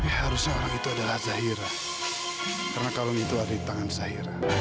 kalung ini dikasih orang yang pernah saya cintai